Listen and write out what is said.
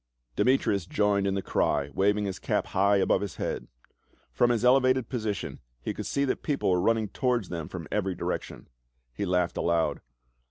Demetrius joined in the cry, waving his cap high above his head. From his elevated position he could see that people were running towards them from every direction. He laughed aloud.